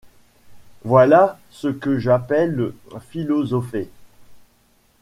Voilà ce que j’appelle philosopher.